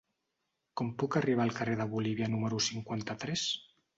Com puc arribar al carrer de Bolívia número cinquanta-tres?